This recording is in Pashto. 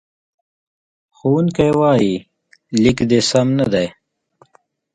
ښوونکی وایي، لیک دې سم نه دی.